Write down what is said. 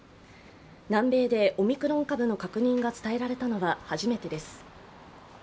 南米でオミクロン株の確認が伝えられたのは初めてです。